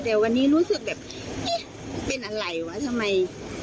แต่วันนี้รู้สึกแบบเอ๊ะเป็นอะไรวะทำไม